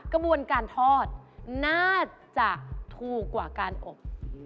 กระบวนการทอดน่าจะถูกกว่าการอบ